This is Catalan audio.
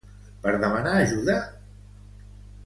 Per demanar ajuda?